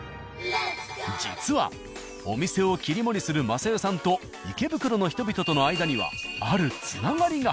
実はお店を切り盛りする雅代さんと池袋の人々との間にはあるつながりが。